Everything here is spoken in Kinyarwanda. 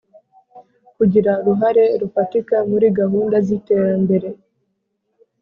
Kugira uruhare rufatika muri gahunda z iterambere